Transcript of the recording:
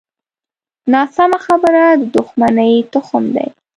ناسمه خبره د دوښمنۍ تخم دی